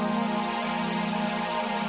suara siata reedving